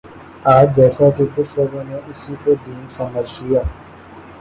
آج جیساکہ کچھ لوگوں نے اسی کو دین سمجھ لیا